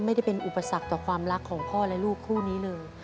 ไม่ได้เป็นอุปสรรคต่อความรักของพ่อและลูกคู่นี้เลย